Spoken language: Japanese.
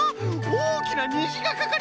おおきなにじがかかりました！